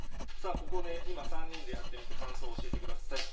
ここで今３人でやってみて感想を教えてください。